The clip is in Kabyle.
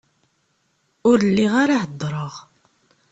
Ur lliɣ ara heddreɣ...